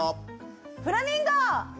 フラミンゴ！